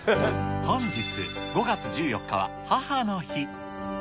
本日５月１４日は母の日。